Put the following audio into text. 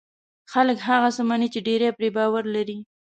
خلک هغه څه مني چې ډېری پرې باور لري.